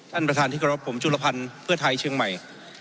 ท่านประธานที่กรบผมจุลพันธ์เพื่อไทยเชียงใหม่